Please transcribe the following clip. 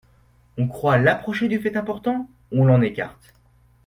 On croit l'approcher du fait important, on l'en écarte.